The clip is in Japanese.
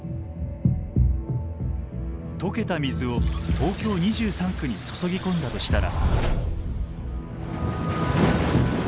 解けた水を東京２３区に注ぎ込んだとしたら。